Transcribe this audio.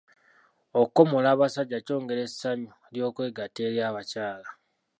Okukomola abasajja kyongera essanyu ly'okwegatta eri abakyala.